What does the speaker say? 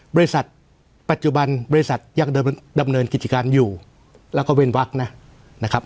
บริษัทปัจจุบันบริษัทยังดำเนินกิจการอยู่แล้วก็เว้นวักนะครับ